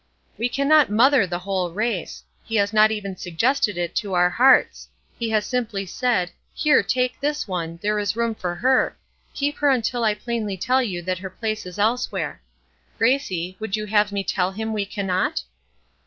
"We cannot 'mother' the whole race: He has not even suggested it to our hearts. He has simply said, 'Here, take this one; there is room for her; keep her until I plainly tell you that her place is elsewhere.' Gracie, would you have me tell Him we cannot?"